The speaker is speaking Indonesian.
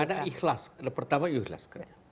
ada ikhlas pertama ikhlas